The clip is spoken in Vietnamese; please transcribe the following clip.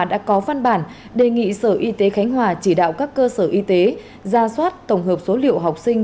đã có văn bản đề nghị sở y tế khánh hòa chỉ đạo các cơ sở y tế ra soát tổng hợp số liệu học sinh